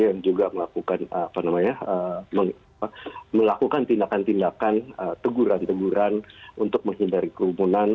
yang juga melakukan tindakan tindakan teguran teguran untuk menghindari kerumunan